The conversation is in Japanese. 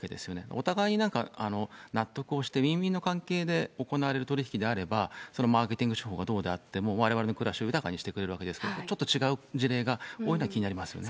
お互いに納得をして、ウィンウィンの関係で行われる取り引きであれば、そのマーケティング手法がどうであっても、われわれの暮らしを豊かにしてくれるわけですけれども、ちょっと違う事例が多いのが気になりますよね。